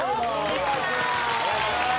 お願いします。